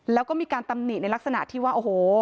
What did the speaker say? แล้วก็มีการตำหนิในลักษณะที่ว่าโอ้โห